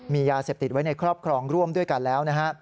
มียาเสพติดไว้ในครอบครองร่วมด้วยกันแล้วนะฮะ